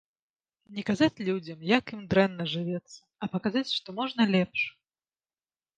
Не казаць людзям, як ім дрэнна жывецца, а паказаць, што можна лепш.